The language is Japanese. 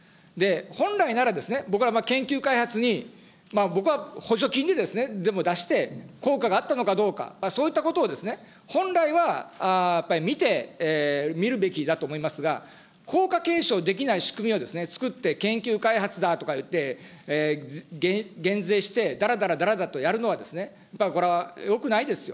本来なら、僕は研究開発に僕は補助金でも出して、効果があったのかどうか、そういったことをですね、本来はやっぱり見て、見るべきだと思いますが、効果検証できない仕組みを作って、研究開発だとか言って、減税してだらだらだらだらとやるのはこれはよくないですよ。